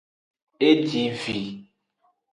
E ji vi.